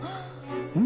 うん？